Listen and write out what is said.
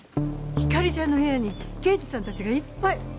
ひかりちゃんの部屋に刑事さんたちがいっぱい。